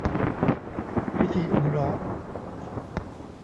พิธีอุมเราะห์